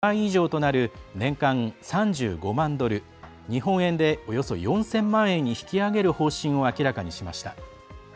基本給の上限をこれまでの２倍以上となる年間３５万ドル日本円で、およそ４０００万円に引き上げる方針を明らかにしました。